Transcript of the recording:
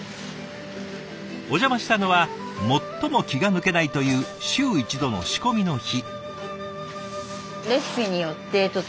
お邪魔したのは最も気が抜けないという週１度の仕込みの日。